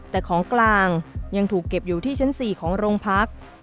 แต่ของกลางยังถูกเก็บอยู่ที่ชั้น๔ของโรงพัก